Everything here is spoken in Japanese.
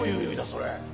それ。